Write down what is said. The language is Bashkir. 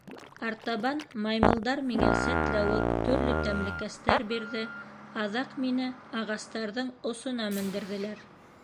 — Артабан... маймылдар миңә сәтләүек, төрлө тәмлекәстәр бирҙе, аҙаҡ... мине ағастарҙың осона мендерҙеләр.